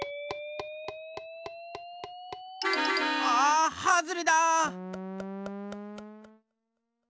あはずれだ！